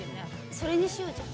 それにしようじゃあ。